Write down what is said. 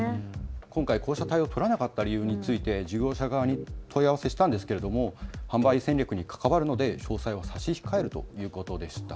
今回こうした対応を取らなかった理由について事業者側に問い合わせしたんですが販売戦略に関わるので詳細は差し控えるということでした。